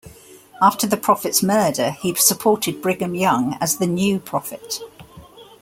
After the prophet's murder, he supported Brigham Young as the new prophet.